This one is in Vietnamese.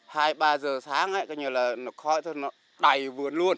hai ba giờ sáng ấy coi như là nó khói thôi nó đầy vườn luôn